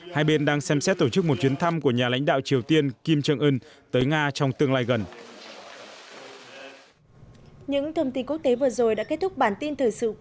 hai bên đang xem xét tổ chức một chuyến thăm của nhà lãnh đạo triều tiên kim jong un tới nga trong tương lai gần